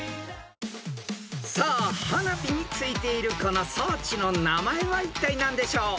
［さあ花火についているこの装置の名前はいったい何でしょう？］